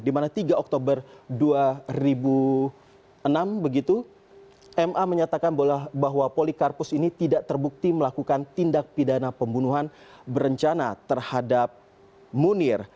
dimana tiga oktober dua ribu enam begitu ma menyatakan bahwa polikarpus ini tidak terbukti melakukan tindak pidana pembunuhan berencana terhadap munir